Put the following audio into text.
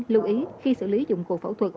lưu ý khi xử lý dụng cụ phẫu thuật